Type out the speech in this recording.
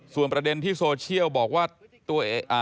ส่วนประเด็นที่โซเชียลบอกว่า